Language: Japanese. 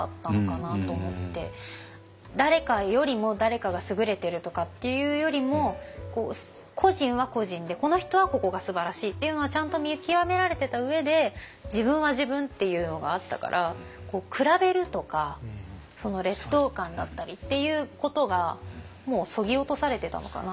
誰かよりも誰かが優れてるとかっていうよりも個人は個人でこの人はここがすばらしいっていうのはちゃんと見極められてた上で自分は自分っていうのがあったから比べるとか劣等感だったりっていうことがもうそぎ落とされてたのかな。